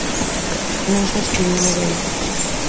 Non só escribiu novela.